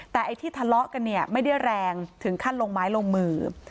แต่ไอ้ที่ทะเลาะกันเนี่ยไม่ได้แรงถึงขั้นลงไม้ลงมือ